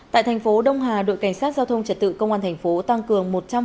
tại thành phố đông hà đội cảnh sát giao thông trật tự công an thành phố tăng cường